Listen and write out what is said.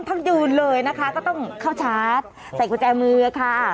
ทั้งยืนเลยนะคะก็ต้องเข้าชาร์จใส่กุญแจมือค่ะ